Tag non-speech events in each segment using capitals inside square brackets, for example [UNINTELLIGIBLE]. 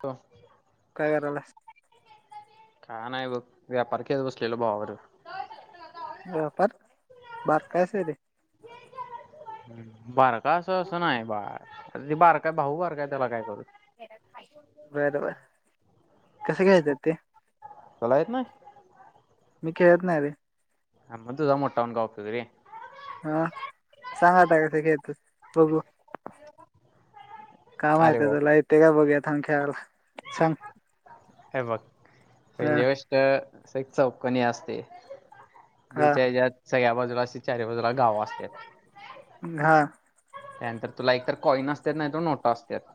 का? काय करायलास? का नाही बघं व्यापार खेळत बसलो भावाबरोबर. व्यापार? बारका यस व्हय रे? बारका असं असं नाही बाळ आता ते भाऊ बारकाय त्याला काय करू मी. बर बरं. कसं खेळतात ते? तुला येत नाही? मी खेळत नाही रे. आ म तुझ मोट्ठा होऊन काय उपयोग रे? हा सांगता कस खेळतात बघू? का अरे माहिती बघ तुला. ये का बघूयातां खेळाला सांग? हे बघ. हा पहिली गोष्ट. चौककणी असते. हा ज्याच्या ज्या सगळ्या बाजूला असतील चार बाजूला गाव असतात. हा. त्यानंतर तुला एकतर कॉईन असत नाही त नोट असतात.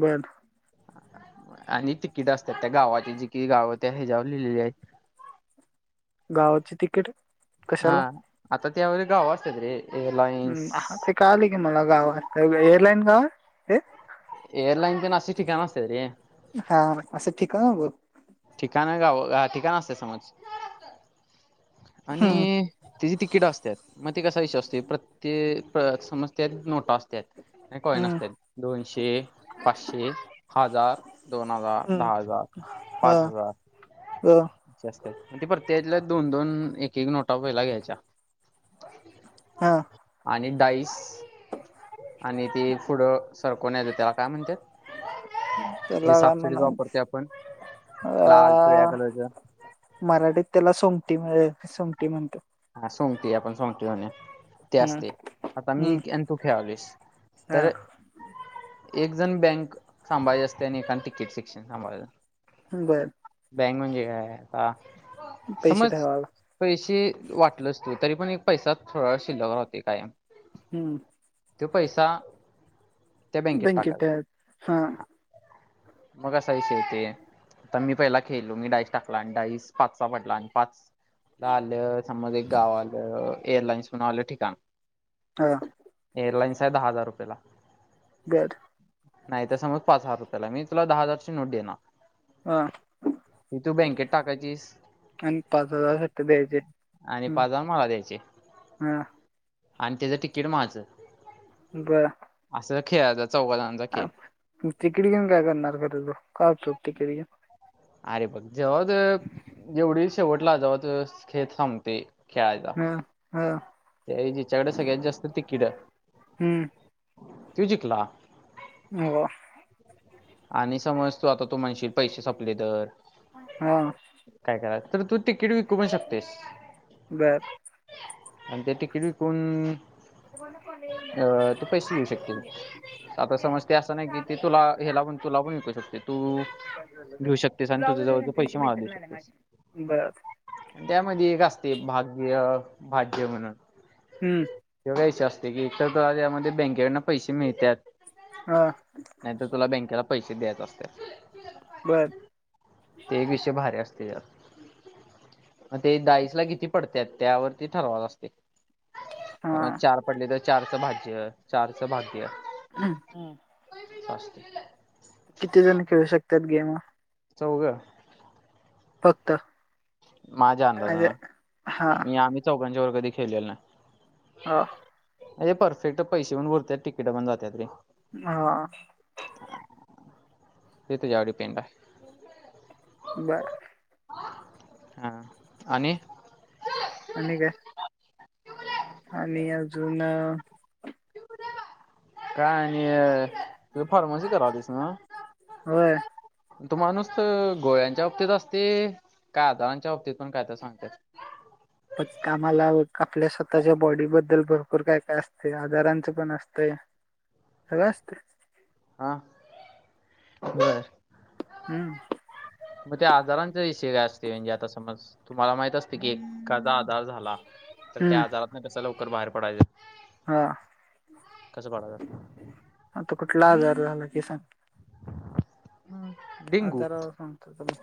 बर. आणि तिकीट असतात. त्या गावाची जी की गाव त्या ह्याच्यावर लिहिलेली आहेत. गावाची तिकीट. हा कशाला आता त्यावरगावा असतात रे. एअरलाईन्स हम. हा ते का आले की मला गाव एअरलाईन गावा ते. एअरलाईन पण अशी ठिकाण असतात रे हा असं ठीक आहे ना. ठिकाण आहे गा ठिकाण असतय समज. हम्म आणि त्याची तिकिट असत्यात. मग ते कसा विषय असतो, प्रत्येक समज त्यात नोटा असत्यात. कोईन हम्म असत्यात. दोनशे, पाचशे, हजार, दोन हजार, हम्म दहा हजार हा पाच हजार हो. असे ते प्रत्येकातल्या दोन- दोन, एक-एक नोटा पहिला घ्यायच्या. हा. आणि डाईस आणि ते फुडं सरकवून नेत्यात, त्याला काय म्हणत्यात तेलाग ना ना. आपण लाल पिवळ्या अ कलरचं मराठीत त्याला सोमटी सोमटी म्हणत्यात. सोंगटी आपण सोंगटी म्हणूया, ते हम्म असतय आता मी हम्म तू खेळालुयस. हा. एक जण बँक सांभाळली असते आणि एका तिकीट शिक्षण सांभाळ बर. बँक म्हणजे काय आता पैसे समज ठरवाव पैसे वाटलं असतो, तरी पण एक पैसा थोड शिल्लक राहते कायम. हम्म. तो पैसा त्या बँकेत टाकायचा बँकटे हा. मग सई स यती आता मी पहिला खेळलो मी डाईस टाकला आणि डाईस पाचचा पडला आणि पाच आलं समज एक गाव आलं एअरलाईन्स म्हण आलं ठिकाण हा. एअरलाईन्स आहे दहा हजार रुपयेला- बर. नाही त्या समज, पाच हजार रुपयाला मी तुला दहा हजारची नोट देणार. हा. ती तू बँकेत टाकायचीस आणि पाच हजार सुट्ट द्यायचे. आणि हम्म पाच हजार मला द्यायचे हा आणि त्याचं तिकीट माझं बर. असं खेळायचा चौघा जणांचा खेळ तिकीट घेऊन काय करणार खरं, तू काय करणार तिकीट घेऊन? अरे बघ जेव्हा ज जेवढी शेवटला जेवळ त खेत थांबते. क्यायदा हा हा ज्याच्याकडे सगळ्यात जास्त तिकीट हम्म. त्यो जिकला. हो. आणि समज तू आता तू माणशील पैसे संपले तर हा. काय करा तर तू तिकीट विकू पण शकतोयस बर आणि ते तिकीट विकून कोला को येऊ ना. अं, तू पैसे घेऊ शकतेस हेला पण तूला पण विकू शकतोय तू घेऊ शकतेस आणि तुझ्या जवळज पैसे मला देऊ शकतेस. बर त्यामध्ये एक असते भाग्य भाज्य म्हणून हम्म तो असते की तर तुला त्यामध्ये बँकेकडनं पैसे मिळत्यात. हा त्याला पैसे द्यायचे असत्यात बर ते एक विषय भारी असतं. मग ते डाईस ला किती पडत्यात त्यावरती ठरवत असते. हा मग चार पडले तर चारचं भाज्य, चारचं भाग्य हम् हम [UNINTELLIGIBLE] किती जण खेळू शकतात गेम हा? चौघं फक्त माझ्या अंदाजा म्हणजे ना हा मी आम्ही चौघांच्या वर कधी खेळलेलं नाही. हा अरे परफेक्ट पैसे पण भरतात तिकीट पण जातात रे हा [UNINTELLIGIBLE] बर हा आणि आणि काय आणि अजून काय आणि तु फार्मसी करालायस होय नव्ह? तो माणूस तर, गोळ्यांच्या बाबतीत असते, काय आजारांच्या बाबतीत पण काय तर सांगतात. पण आम्हाला आपल्या स्वतःच्या बॉडीबद्दल भरपूर काय काय असतंय आजारांच पण असतंय सगळं असतंय. हा बरं. हम्म मग ते आजारांच्या विषय काय असतय म्हणजे आता समज तुम्हाला माहित असतय की एखादा आजार झाला तर हम्म त्या आजारातन कस लवकर बाहेर पडायचं? हा कसं पडायचं आता कुठला आजार झाला ते सांग? डेंगू आजारावर सांगतो तुला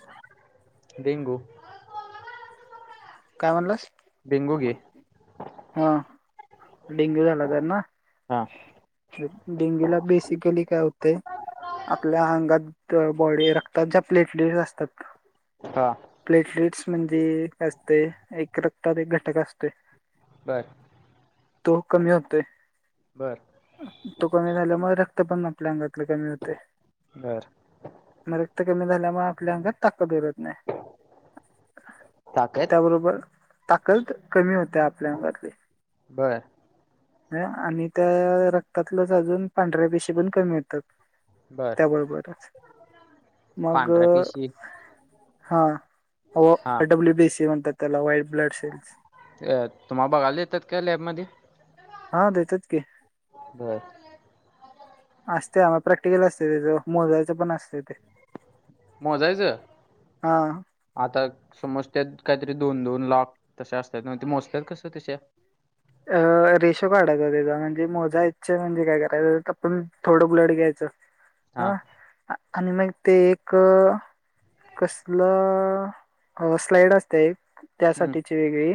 डेंगू काय म्हणलास? हा [UNINTELLIGIBLE] डेंग्यू झाला तर ना हा डेंग्यू ला बेसिकली काय होतय? आपल्या अंगात बॉडी रक्तात ज्या प्लेटलेट्स असतात हा प्लेटलेट्स म्हणजे असतय एक रक्तात एक घटक असतय बर तो कमी होतोय बर तो कमी झाल्यामुळे रक्त पण आपल्या अंगातले कमी होतेय. बर रक्त कमी झाल्यामुळे आपल्या अंगात ताकद उरत नाही. ताकद त्याबरोबर ताकद कमी होत्या आपल्या अंगातली बर आणि त्या रक्तातलंच अजून पांढऱ्या पेशी पण कमी होेत्यात. बर त्याबरोबरच मग पांढऱ्या पिशी हा, डब्ल्यु बी सी म्हणतात त्याला वैब तुम्हा बघायला देत्यात काय लॅब मध्ये? हा देतात की. बर, [INAUDIBLE] असते आम प्रॅक्टिकल असते त्याच,, मोजायचं पण असतय ते, [INAUDIBLE] मोजायचं [INAUDIBLE] आता समज त्यात, काहीतरी दोन दोन लाख [INAUDIBLE] तसे असतात बग ते मोजतत कसं तशा, [INAUDIBLE] [INAUDIBLE] अ रेशो काढायचा त्याचा, म्हणजे मोजायच म्हणजे काय करायचं, आपण थोडं ब्लड घ्यायचं, [INAUDIBLE] हा ह [INAUDIBLE] आणि मग, ते एक [INAUDIBLE] कसलं [INAUDIBLE] स्लाईड असतय एक हम्म त्यासाठीची वेगळी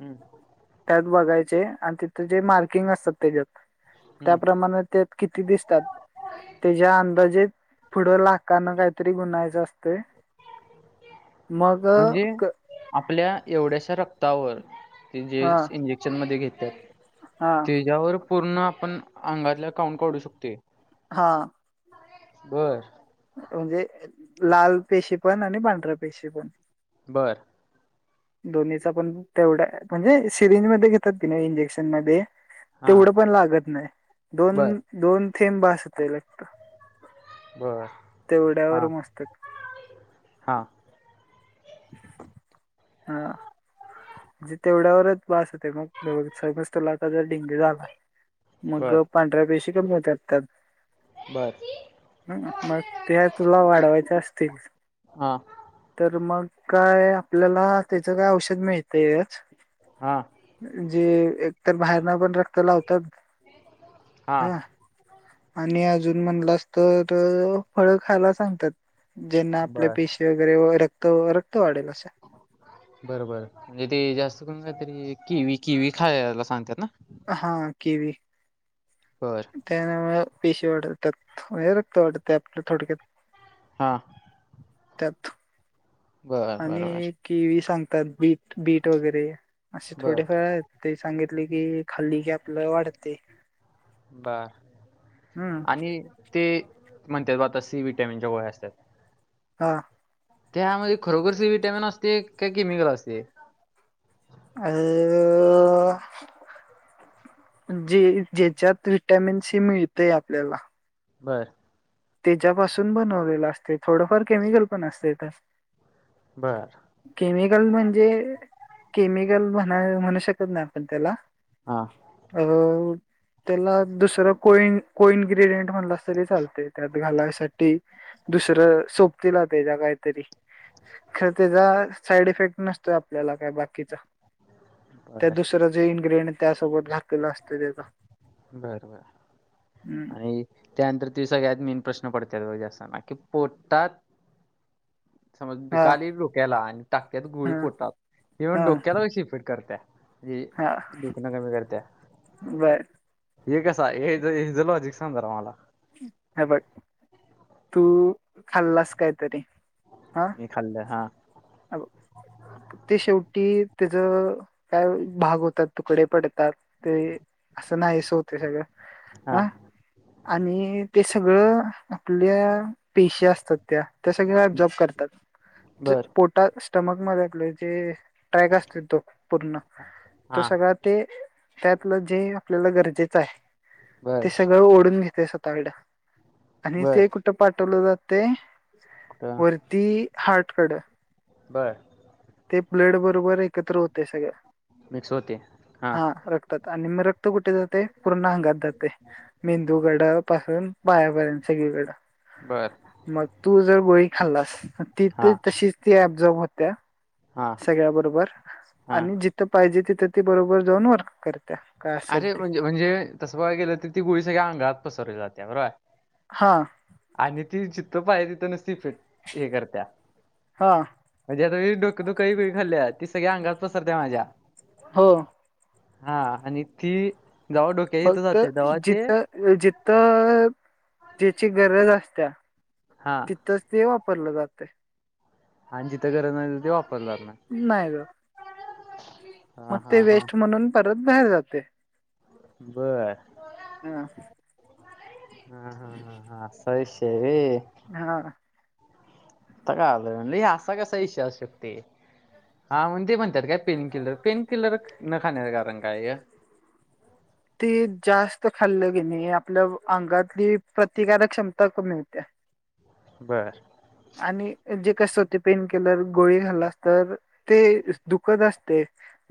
हम्म [INAUDIBLE] त्यात, द्यायचे आण तिथ जे मार्किंग असतात त्याच्यात, [INAUDIBLE] हम्म त्याप्रमाण त्या किती दिसतात. [INAUDIBLE] [INAUDIBLE] त्याच्या अंदाजेत [INAUDIBLE] पुढं लाखान काहीतरी गुन्हायचं असतय, ते [INAUDIBLE] मग म्हणजे क [INAUDIBLE] आपल्या एवढ्याशा रक्तावर [INAUDIBLE] ते जे हा इंजेक्शन मध्ये घेतात हा [INAUDIBLE] त्याच्यावर, पूर्ण आपण अंगातला काउंट काढू शकतोय. [INAUDIBLE] हा [INAUDIBLE] [UNINTELLIGIBLE] बर, म्हणजे [INAUDIBLE] लाल पेशी पण आणि भांढरा पेशी पण, [INAUDIBLE] [INAUDIBLE] बर, [INAUDIBLE] दोन्हीचा पण तेवढा म्हणजे सिरेंज मध्ये घेतात ती नाही इंजेक्शन मध्ये, [INAUDIBLE] हा तेवढं पण लागत नाही [INAUDIBLE] दोन बर दोन थेंब भासत लत [INAUDIBLE] [INAUDIBLE] बर, तेवढ्यावर हा मोस्तात, [INAUDIBLE] [INAUDIBLE] हा- [INAUDIBLE] [UNINTELLIGIBLE] हा म्हणजे तेवढ्यावरच बास होते मग समज तुला आता जर डडेंगू झाला. [INAUDIBLE] मग बर पांढऱ्या पैसे कमी होते आ त्याात, बर [INAUDIBLE] [INAUDIBLE] ह मग ते तुला वाढवायचे असतील, हा [INAUDIBLE] तर मग काय आपल्याला त्याच काय औषध मिळतयच, [INAUDIBLE] [INAUDIBLE] हा [INAUDIBLE] जे एकतर बाहेर ना पण रक्त लावतात. [INAUDIBLE] हा- [INAUDIBLE] [INAUDIBLE] आणि अजून म्हणलास तरं फळ खायला सांगतात. ज्यांना आपल्या बर पेशी वगैरे व रक्त व रक्त वाढेल असं [INAUDIBLE] बरोबर म्हणजे ते जास्त करून, तरी किवी किवी खायला सांगतात ना [INAUDIBLE] हा केवी, [INAUDIBLE] बर [INAUDIBLE] त्याना म पेशी वाढवतात हे रक्त वाटत ते आपल्या थोडक्यात. [INAUDIBLE] [INAUDIBLE] हा [INAUDIBLE] [INAUDIBLE] त्यात [INAUDIBLE] बर [INAUDIBLE] बर बर. आणि कीवी सांग त बीट बीट वगैरे [INAUDIBLE] असे बर थोडे फेळ आहेत ते सांगितले की खालीकी आपलं वाढते. बर [INAUDIBLE] हम्म, [INAUDIBLE] आणि ते [INAUDIBLE] म्हणतात आता सी विटॅमिनच्या गोळ्या असतात. [INAUDIBLE] [INAUDIBLE] हा- [INAUDIBLE] त्यामध्ये खरोखरचे वि्हटॅमिन असते का केमिकल असते. [UNINTELLIGIBLE] [INAUDIBLE] [INAUDIBLE] जे ज्याच्यात विटॅमिन सी मिळतेय आपल्याला, [INAUDIBLE] बर, [INAUDIBLE] तेच्यापासून बनवलेलं असतय, थोडंफार केमिकल पण असतय त्यात. बर. कल म्हणजे केमिकल म्ह म्हणू शकत नाही आपण तेला हा अ त्याला दुसर कोई कोइनग्रेडियंट म्हणलास तरी चालतय त्यात घालायसाठी. दुसरं सोपती ला तेच्या कायतरी खर त्याचा साईड इफेक्ट नसतोय आपल्याला काय बाकीचा त्या बर दुसरं जे इ्ग्रेडियंट त्यासोबत घातलेलं असतं त्याचा बर बर हम्म आणि त्यानंतर तु सगळ्यात म प्रश्न पडतात असतना कि पोटतात. समज हा दुखलय डोक्याला आणि टाकत्यात गुळी हा फोडतात. की मग हा डोक्यात कैशीिफिट करते म्हे हा दुखनं कमी करते. बर. हे कसा हे ज लोजिक सांग जरा मला हे बग तू खाल्लास कायतरी हा मी खाल्लं हा हब ते शेवटी ज काय भाग होतात तुकडे पडतात ते असं नाहीसं होतय सगळं हा आणि ते सगळं आपल्या पेशी असतात त्या त्या सगळ्या अब्झॉब करतात च बर पोटा स टमक मदे आपल जे ट्रॅग असतोय तो पूर्ण तो हा सगळा ते त्यातलं जे आपल्याला गरजेचाय बर ते सगळं ओडुन घेतय स्वताकड आणि बर ते कुट पाठवलं जातय कुठं वरती हार्टकड बरं ते प्बड बरोबर एकत्र होतय सगळ मिक्स होते हा रक्तात आणि म र क्त कुटे जात तय पूर्ण अंगात जातय मेंदू गड पासून पायापर्यंत सगळीकड बर मग तू जर गोळी खाल्लास ती, हा ती तशीच ती अब्झॉब होत्या हा सगळ्या बरोबर हा आणि जित पाईजे तित ती बरोबर जऊन वर्क करतय आरे म्हणजे म्हणजे तसं बगाय गेलं तर ती गुळी सगळ्या अंगात पसरली जात्या बरोबराय हा ती जित पाये तित नुसती इफेट हे करत्या हा म्हणजे आता मी डोक दुकायची खाल्या ती सगळ्या अंगात पसरत्या माज्या हो हा आणि ती डोक्याच्या इथं फक्त जाते तेव्हा ते जित अ जित अ तेची गरज आसत्या हा तितच ते वापरलं जातंय आणि जित गरज नइ तित नाय जात म हा ते हा हा वेस्ट म्हणून परत बाहेर जातय बर हा, हा, हा, हा अस्सा विषय हाय वइ हा आत्ता कळाल म्हडस ई असा कसा इशय शकतय हा म्हणुन ते म्हणत्यात काय पेन किलर पेन किलर न खाण्याच कारण काय य हल्लं घेणे आपल अंगातली प्रतिकारक क्षमता कमी हुत्या बर आणि जे कस होतय पेन किलर गोळी खाल्लास तर ते स दुकत असतय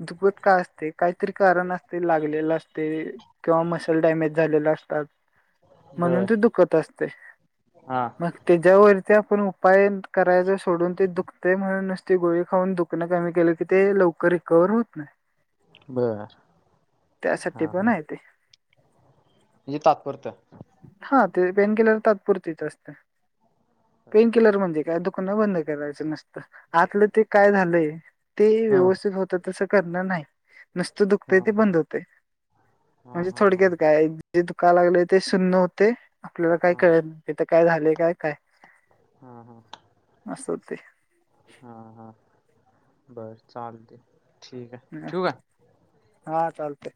दुकत का असतय काईतरी कारण असतय लागलेलं असतय किंवा मसल डायमेज झालेला असतात म्हणून बर ते दुकत असतय हा मग तेज्यावरती आपण उपाय त करायच सोडून ते दुकतय म्हणून नुसती गोळी खाऊन दुकणे कमी केलं की ते लवकर रिक वर होत नाई बर त्यासाठी पण हाय ते ही तात्पुरत हा ते पेन किलर तात्पुरतीच असते पेन किलर म्हणजे काय दुकन बंद करायचं नस्त आतलं ते काय झालंय ते हा व्यवस्थित होत तसं करणा न्हाई नुस्त हा दुकतय ते हा बंद हुतय हा म्हणजे हा हा थोडक्यात काय जे दुकालागलय ते सुन्न हुतय आपल्याला काय हा कळत इथ काय झालय काय काय हा हा अस हुतय हा, हा बर चालतय हम् हा चालतय